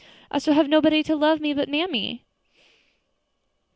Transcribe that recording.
"I shall have nobody to love me now but mammy."